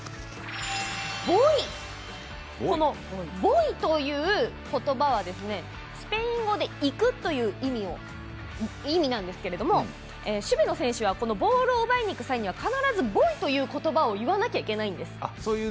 この「ボイ」ということばはスペイン語で「行く」という意味なんですけれども守備の選手はボールを奪いにいく際には必ず「ボイ」ということばを言わなきゃいけないんです。